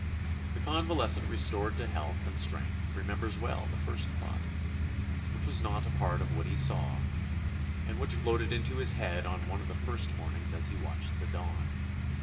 The convales cent restored to health and strength remembers well the first thought, which was not a part of what he saw, and which floated into his head on one of the first mornings as he watched the dawn.